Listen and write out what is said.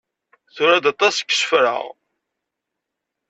Tura-d aṭas n yisefra.